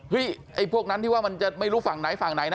ไอ้พวกนั้นที่ว่ามันจะไม่รู้ฝั่งไหนฝั่งไหนนะ